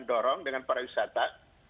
dorong dengan para wisata